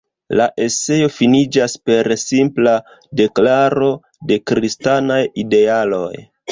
La eseo finiĝas per simpla deklaro de kristanaj idealoj.